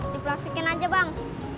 di plastikin aja bang